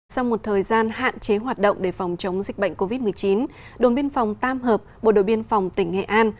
sau một thời gian hạn chế hoạt động để phòng chống dịch bệnh covid một mươi chín đồn biên phòng tam hợp bộ đội biên phòng tỉnh nghệ an